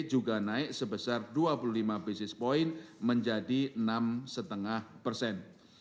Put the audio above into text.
juga naik sebesar dua puluh lima basis point menjadi enam lima persen